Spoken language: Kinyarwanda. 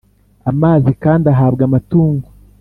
Amazi kandi ahabwa amatungo